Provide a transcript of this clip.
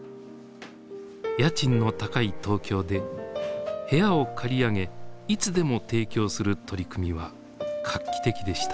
家賃の高い東京で部屋を借り上げいつでも提供する取り組みは画期的でした。